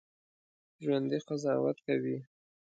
ژوندي قضاوت کوي